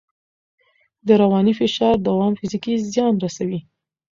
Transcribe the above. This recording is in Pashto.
د رواني فشار دوام فزیکي زیان رسوي.